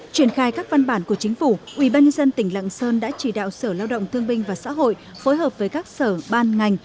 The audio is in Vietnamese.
truyền khai các văn bản của chính phủ ubnd tỉnh lạng sơn đã chỉ đạo sở lao động thương binh và xã hội phối hợp với các sở ban ngành